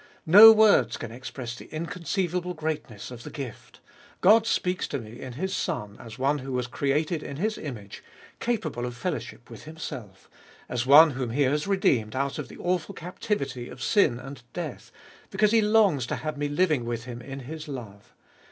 No words can express the inconceivable greatness of the gift. God speaks to me in His Son as one who was created in His image, capable of fellow ship with Himself; as one whom He has redeemed out of the awful captivity of sin and death, because He longs to have me living with Him in His love.